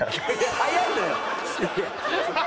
早いのよ。